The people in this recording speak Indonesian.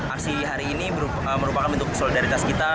aksi hari ini merupakan bentuk solidaritas kita